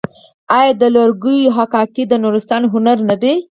آیا د لرګیو حکاکي د نورستان هنر نه دی؟